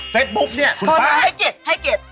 เฟซบุ๊คเนี่ยคุณป้าให้เกลียดให้เกลียด